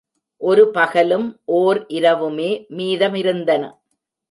ஒரு பகலும் ஓர் இரவுமே மீதமிருந்தன.